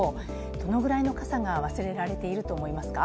どのぐらいの傘が忘れられていると思いますか？